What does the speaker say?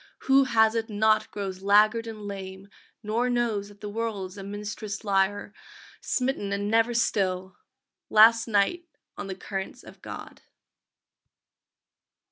Who has it not grows laggard and lame, Nor knows that the world is a Minstrel's lyre, Smitten and never still!..._ Last night on the currents of God.